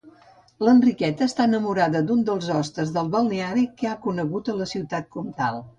L'Enriqueta està enamorada d'un dels hostes del balneari que ha conegut a la ciutat comtal.